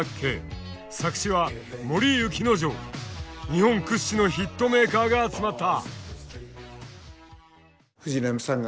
日本屈指のヒットメーカーが集まった。